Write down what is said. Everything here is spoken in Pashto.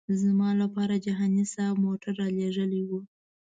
زما لپاره جهاني صاحب موټر رالېږلی و.